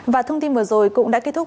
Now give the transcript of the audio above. và thông tin vừa rồi cũng đã kết thúc